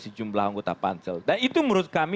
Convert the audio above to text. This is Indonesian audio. sejumlah anggota pansel dan itu menurut kami